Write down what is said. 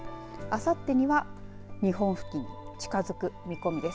あさってには日本付近に近づく見込みです。